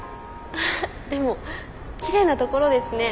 でもきれいな所ですね。